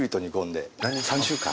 ３週間！？